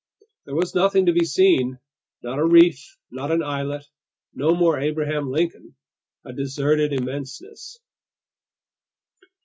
There was nothing to be seen. Not a reef, not an islet. No more Abraham Lincoln. A deserted immenseness.